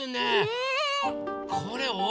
うん。